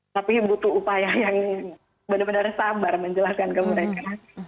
tapi butuh upaya yang benar benar sabar menjelaskan ke mereka